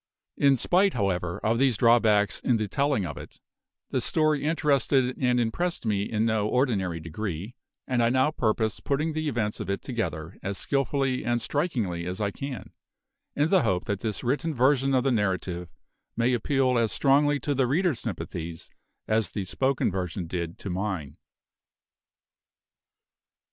In spite, however, of these drawbacks in the telling of it, the story interested and impressed me in no ordinary degree; and I now purpose putting the events of it together as skillfully and strikingly as I can, in the hope that this written version of the narrative may appeal as strongly to the reader's sympathies as the spoken version did to mine.